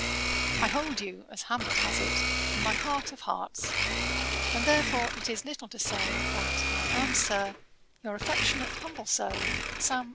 I hold you, as Hamlet has it, 'in my heart of hearts,' and therefore, it is little to say, that I am, Sir, 'Your affectionate humble servant, 'SAM.